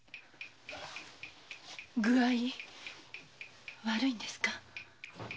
具合悪いんですか？